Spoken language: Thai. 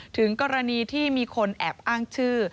ถึงกรณีที่มีคนแอบอ้างชื่อ